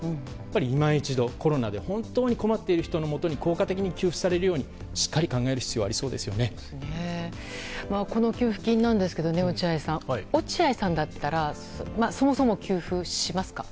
今一度、コロナで本当に困っている人に効果的に給付されるようにしっかり考える必要がこの給付金なんですが落合さんだったらそもそも給付しますか？